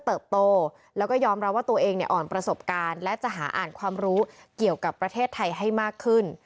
ผมโทษมากผมไม่คิดว่ามันจะเกิดแบบนั้น